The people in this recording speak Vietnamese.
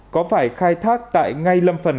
có phải khai thác tại ngay lâm phần